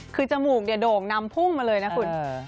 คือจมูกโด่งนำพุ่งมาเลยนะคุณ